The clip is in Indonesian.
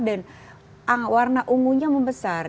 dan warna ungunya membesar